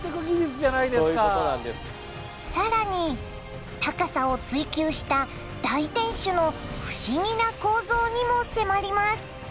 更に高さを追求した大天守の不思議な構造にも迫ります。